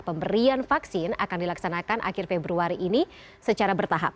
pemberian vaksin akan dilaksanakan akhir februari ini secara bertahap